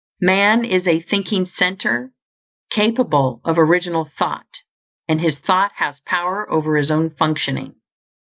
_ _Man is a thinking center, capable of original thought; and his thought has power over his own functioning.